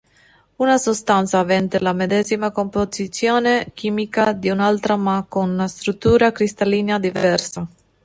Una sostanza avente la medesima composizione chimica di un'altra ma con struttura cristallina diversa.